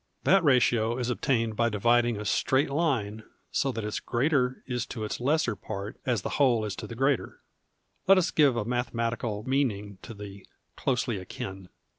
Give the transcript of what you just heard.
That ratio is obtained by dividing a straight line so that its greater is to its lesser part as the whole is to the greater. Let us give a mathematical meaning to the " closely akin.'